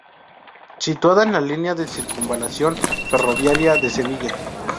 Situada en la línea de circunvalación ferroviaria de Sevilla.